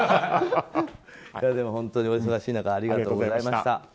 でも本当にお忙しい中ありがとうございました。